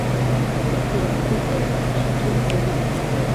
Уке — уке денак шинчен кодыт.